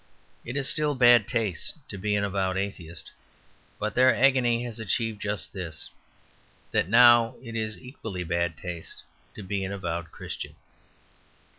It is still bad taste to be an avowed atheist. But their agony has achieved just this that now it is equally bad taste to be an avowed Christian.